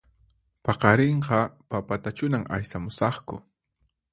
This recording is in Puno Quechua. Paqarinqa papatachunan aysamusaqku